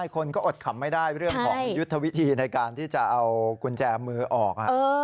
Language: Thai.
คนก็อดขำไม่ได้เรื่องของยุทธวิธีในการที่จะเอากุญแจมือออก